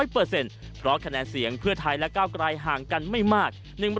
เพราะคะแนนเสียงเพื่อไทยและก้าวไกลห่างกันไม่มาก